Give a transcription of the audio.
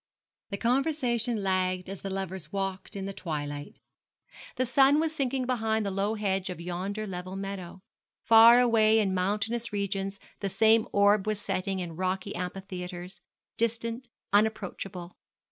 The conversation flagged as the lovers walked in the twilight. The sun was sinking behind the low hedge of yonder level meadow. Far away in mountainous regions the same orb was setting in rocky amphitheatres, distant, unapproachable.